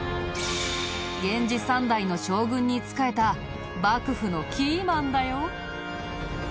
源氏３代の将軍に仕えた幕府のキーマンだよ。